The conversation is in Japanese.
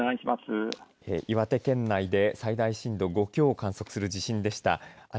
岩手県内で最大震度５強を観測する地震でした。